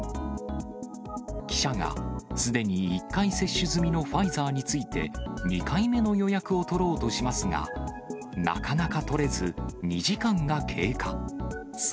記者が、すでに１回接種済みのファイザーについて、２回目の予約を取ろうとしますが、なかなか取れず、２時間が経過。